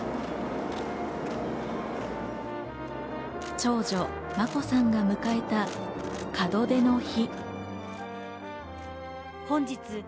長女・眞子さんが迎えた門出の日。